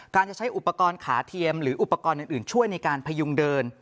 จะใช้อุปกรณ์ขาเทียมหรืออุปกรณ์อื่นช่วยในการพยุงเดิน